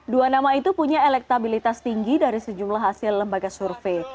dua nama itu punya elektabilitas tinggi dari sejumlah hasil lembaga survei